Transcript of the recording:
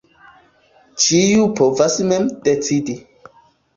Ĉiu povas mem decidi.